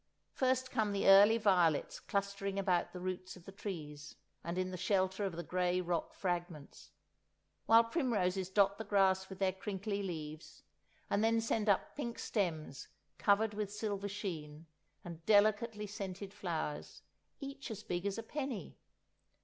First come the early violets clustering about the roots of the trees, and in the shelter of the grey rock fragments; while primroses dot the grass with their crinkly leaves, and then send up pink stems covered with silver sheen, and delicately scented flowers each as big as a penny.